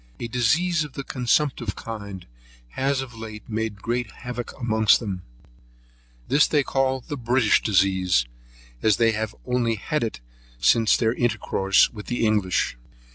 A disease of the consumptive kind has of late made great havoc amongst them; this they call the British disease, as they have only had it since their intercourse with the English.